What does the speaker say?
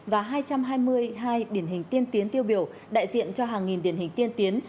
và hai trăm hai mươi hai điển hình tiên tiến tiêu biểu đại diện cho hàng nghìn điển hình tiên tiến